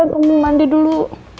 udah aku mau mandi dulu